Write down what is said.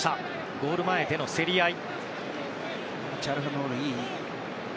ゴール前での競り合い。